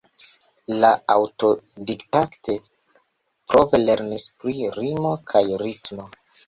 Li aŭtodidakte-prove lernis pri rimo kaj ritmo.